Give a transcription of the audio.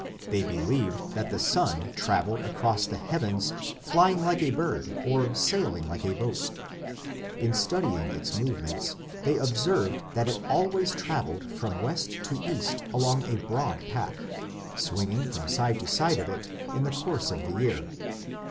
They believed that the sun travelled across the heavens flying like a bird or sailing like a boat. In studying its movements they observed that it always travelled from west to east along a broad path, swinging from side to side of it in the course of the year.